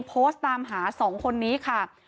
โพสต์ตามหา๒คนนี้ค่ะ